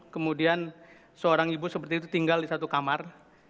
kemudian seorang ibu seperti itu tinggal di satu kamar